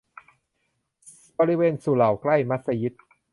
บริเวณสุเหร่าใกล้มัสยิด